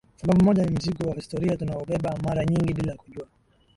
Sababu moja ni mzigo wa historia tunaoubeba mara nyingi bila kujua